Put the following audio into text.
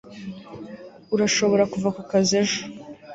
urashobora kuva ku kazi ejo